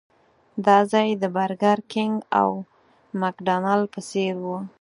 دا ځای د برګر کېنګ او مکډانلډ په څېر و.